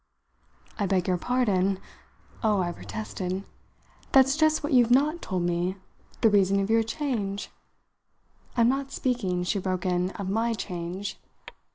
"I beg your pardon" oh, I protested! "That's just what you've not told me. The reason of your change " "I'm not speaking," she broke in, "of my change."